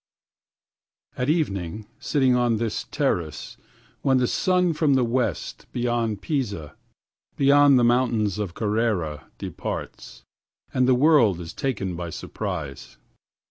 1At evening, sitting on this terrace,2When the sun from the west, beyond Pisa, beyond the mountains of Carrara3Departs, and the world is taken by surprise